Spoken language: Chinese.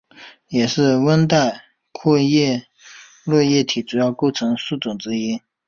也是温带阔叶落叶林的主要构成树种之一。